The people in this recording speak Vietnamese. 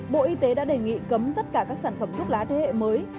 bộ y tế đã đề nghị cấm tất cả các sản phẩm thuốc lá thế hệ mới